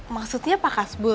maksudnya pak hasbul